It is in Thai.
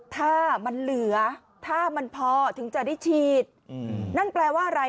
ถ้ามันเหลือถ้ามันพอถึงจะได้ฉีดนั่นแปลว่าอะไร